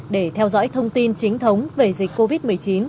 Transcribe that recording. để theo dõi thông tin chính thống về dịch covid một mươi chín